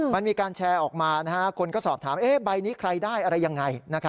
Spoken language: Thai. มันมีการแชร์ออกมาคนก็สอบถามใบนี้ใครได้อะไรยังไง